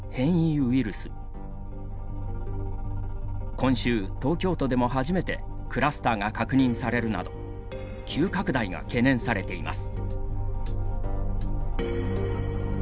今週東京都でも初めてクラスターが確認されるなど急拡大が懸念されています。